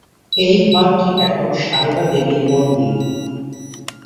এই ঘরটি এখন সারদা দেবীর মন্দির।